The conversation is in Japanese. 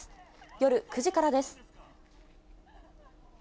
夜９時からです。